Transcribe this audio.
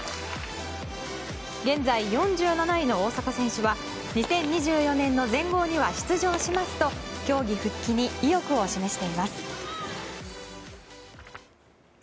現在４７位の大坂選手は２０２４年の全豪には出場しますと競技復帰に意欲を示しています。